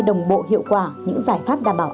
đồng bộ hiệu quả những giải pháp đảm bảo